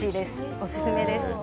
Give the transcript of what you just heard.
おすすめです。